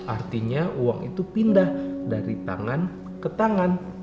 artinya uang itu pindah dari tangan ke tangan